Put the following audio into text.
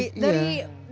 itu banyak arti